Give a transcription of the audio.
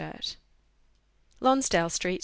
49. ,, Lonsdale street.